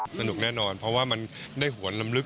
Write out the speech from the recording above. สนุกแน่นอนเพราะว่ามันได้หวนลำลึก